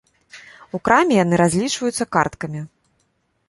У краме яны разлічваюцца карткамі.